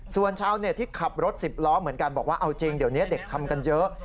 ส่วนชาวเน็ตที่ขับรถสิบล้อเหมือนกันบอกว่าเอาจริงเดี๋ยวนี้เด็กทำกันเยอะ